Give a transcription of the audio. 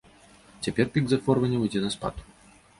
Цяпер пік захворванняў ідзе на спад.